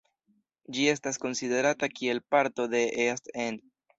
Ĝi estas konsiderata kiel parto de East End.